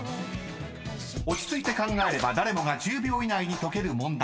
［落ち着いて考えれば誰もが１０秒以内に解ける問題］